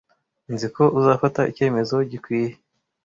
Nzi ko uzafata icyemezo gikwiye.